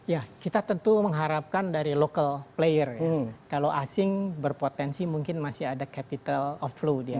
ya kita tentu mengharapkan dari local player ya kalau asing berpotensi mungkin masih ada capital of flow ya